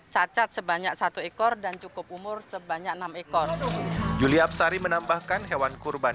cacat sebanyak satu ekor dan cukup umur sebanyak enam ekor julia apsari menambahkan hewan kurban